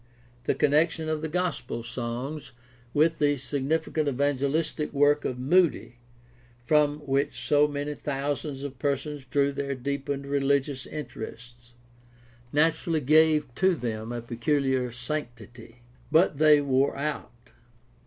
The connection of the gospel songs with the significant evangelistic work of Moody, from which so many thousands of persons drew their deepened religious interest, naturally gave to them a peculiar sanctity. But they wore out.